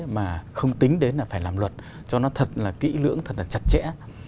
mà không tính đến là phải làm luật cho nó thật là kỹ lưỡng thật là chặt chẽ